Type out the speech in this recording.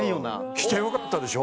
来てよかったでしょ。